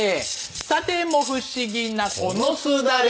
「さても不思議なこのすだれ」